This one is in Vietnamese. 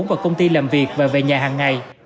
vào công ty làm việc và về nhà hàng ngày